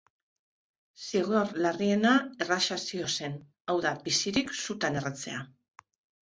Zigor larriena erlaxazioa zen, hau da, bizirik sutan erretzea.